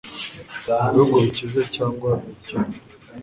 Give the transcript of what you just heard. mu bihugu bikize cyangwa ibikennye